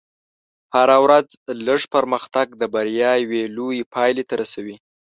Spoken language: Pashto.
هره ورځ لږ پرمختګ د بریا یوې لوېې پایلې ته رسوي.